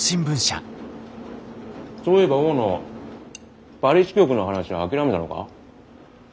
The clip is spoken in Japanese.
そういえば大野パリ支局の話は諦めたのか？